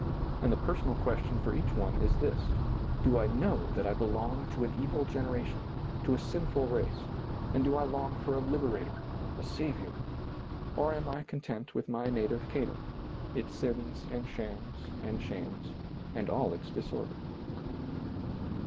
And the personal ques tion for each one is this : Do I know that I be long to an evil generation, to a sinful race, and do I long for a Liberator, a Saviour ? or am I content with my native Canaan, its sins and shams and shames and all its disorder